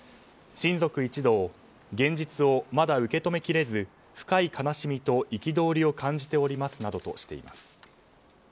親族一同現実をまだ受け止めきれず深い悲しみと憤りを感じておりますなどとしています。